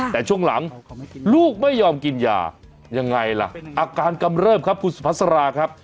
แต่ช่วงหลังลูกไม่ยอมกินยายังไงล่ะอาการกำเริบครับคุณสุพัสราครับ